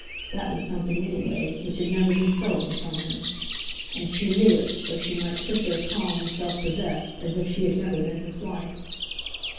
That was something, anyway, which had never been stolen from him. And she knew it, though she might sit there calm and self possessed, as if she had never been his wife.